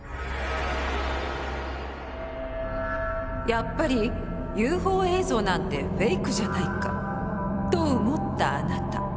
「やっぱりＵＦＯ映像なんてフェイクじゃないか」と思ったあなた。